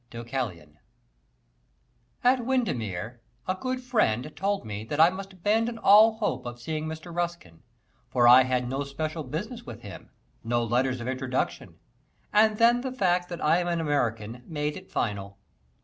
Deucalion [Illustration: JOHN RUSKIN] At Windermere, a good friend, told me that I must abandon all hope of seeing Mr. Ruskin; for I had no special business with him, no letters of introduction, and then the fact that I am an American made it final.